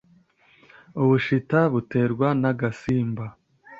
Ubushita buterwa n'agasimba